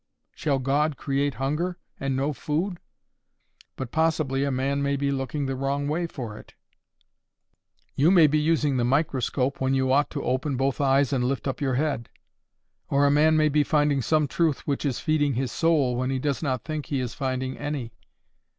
Shall God create hunger and no food? But possibly a man may be looking the wrong way for it. You may be using the microscope, when you ought to open both eyes and lift up your head. Or a man may be finding some truth which is feeding his soul, when he does not think he is finding any.